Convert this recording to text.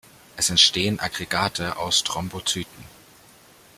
Es entstehen Aggregate aus Thrombozyten.